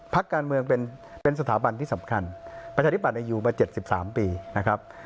พักการเมืองเป็นสถาบันที่สำคัญประชาธิบัตย์อยู่มา๗๓ปีนะครับ